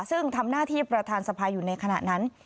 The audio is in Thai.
ซึ่งทำหน้าที่ประธานสภาอยู่ในขณะนั้น